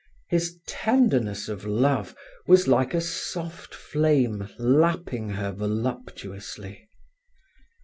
His tenderness of love was like a soft flame lapping her voluptuously.